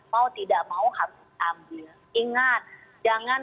mau tidak mau harus diambil ingat jangan